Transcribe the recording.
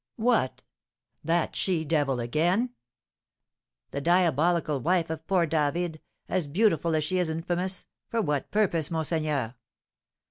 "What! that she devil again? The diabolical wife of poor David, as beautiful as she is infamous! For what purpose, monseigneur?"